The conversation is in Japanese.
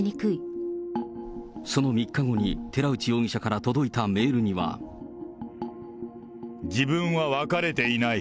その３日後に、寺内容疑者から届いたメールには。自分は別れていない。